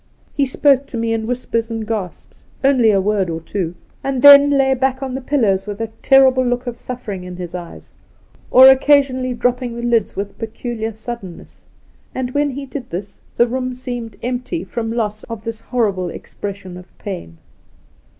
He spoke to me in whispers and gasps, only a word or two, 28 The Outspan and then lay back on the pillows with a terrible look of suffering in his eyes, or occasionally drop ping the lids with peculiar suddenness ; and when he did this the room seemed empty from loss of this horrible expression of pain.